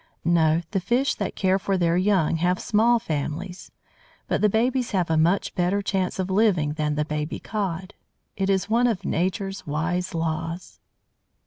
No; the fish that care for their young have small families, but the babies have a much better chance of living than the baby Cod. It is one of Nature's wise laws.